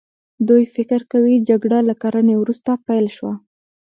دوی فکر کوي جګړه له کرنې وروسته پیل شوه.